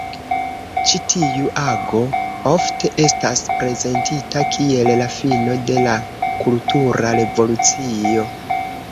Ĉi tiu ago ofte estas prezentita kiel la fino de la Kultura Revolucio.